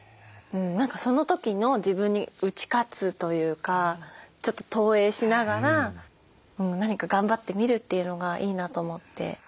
何かその時の自分に打ち勝つというかちょっと投影しながら何か頑張ってみるというのがいいなと思って。